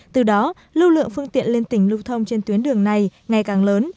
từ đó lưu lượng phương tiện lên tỉnh lưu thông trên tuyến đường này ngày càng lớn